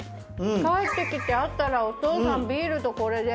帰ってきてあったらお父さんビールとこれで。